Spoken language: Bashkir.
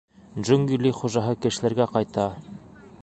— Джунгли хужаһы кешеләргә ҡайта!